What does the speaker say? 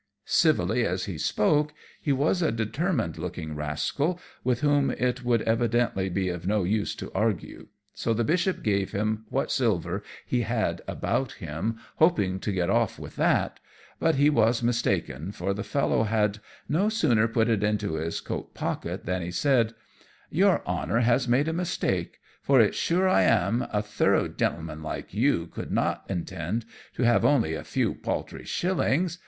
Civilly as he spoke he was a determined looking rascal, with whom it would evidently be of no use to argue, so the Bishop gave him what silver he had about him, hoping to get off with that; but he was mistaken, for the fellow had no sooner put it into his coat pocket than he said "Your Honour has made a mistake, for it's sure I am a thorough gintleman like you could not intend to give only a few paltry shillings.